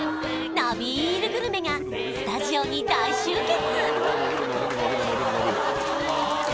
のびるグルメがスタジオに大集結！